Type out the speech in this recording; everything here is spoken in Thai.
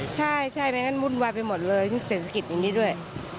ใช่ใช่ไม่งั้นวุ่นวายไปหมดเลยทุกเศรษฐกิจอย่างนี้ด้วย